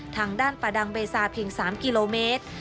ทางด้านป่าดังเบซาเพียง๓กิโลเมตร